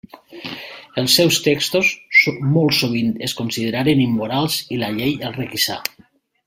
Els seus textos molt sovint es consideraren immorals i la llei els requisà.